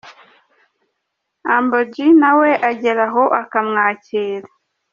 Humble G na we agera aho akamwakira.